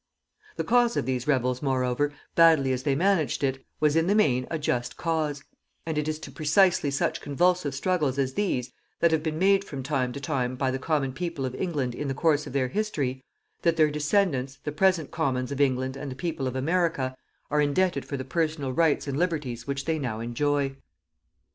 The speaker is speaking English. The cause of these rebels, moreover, badly as they managed it, was in the main a just cause; and it is to precisely such convulsive struggles as these, that have been made from time to time by the common people of England in the course of their history, that their descendants, the present commons of England and the people of America, are indebted for the personal rights and liberties which they now enjoy.